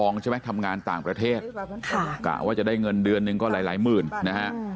ใช่ไหมทำงานต่างประเทศกะว่าจะได้เงินเดือนหนึ่งก็หลายหมื่นนะฮะ